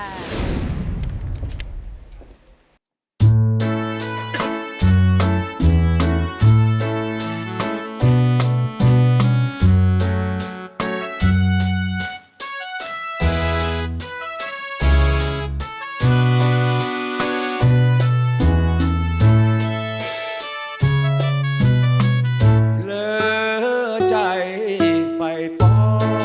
เล่าใจไฟกรอบ